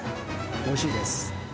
おいしいです。